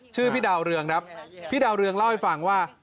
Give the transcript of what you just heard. ชื่อพี่ดาวเรืองครับพี่ดาวเรืองเล่าให้ฟังว่า